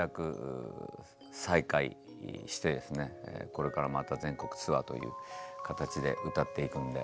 これからまた全国ツアーという形で歌っていくんで。